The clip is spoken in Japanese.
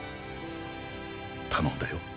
頼んだよ